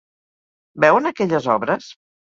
Veuen aquelles obres?